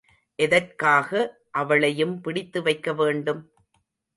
எதற்காக அவளையும் பிடித்து வைக்க வேண்டும்?